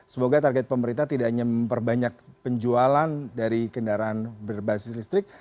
semoga target pemerintah tidak hanya memperbanyak penjualan dari kendaraan berbasis listrik